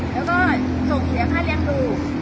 แล้วก็ส่งเสียค่าเลี้ยงดู